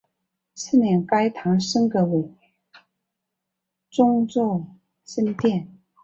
次年该堂升格为宗座圣殿。